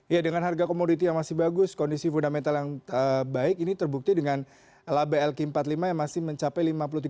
ya dengan harga komoditi yang masih bagus kondisi fundamental yang baik ini terbukti dengan laba lk empat puluh lima yang masih mencapai lima puluh tiga